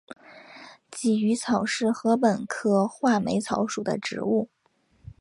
鲫鱼草是禾本科画眉草属的植物。